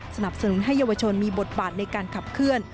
สนับสนุนให้เยาวชนมีบทบาทในการขับเคลื่อน